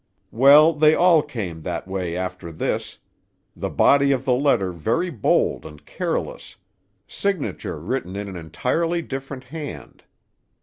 Well, they all came that way after this; the body of the letter very bold and careless; signature written in an entirely different hand.